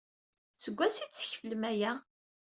Seg wansi ay d-teskeflem aya?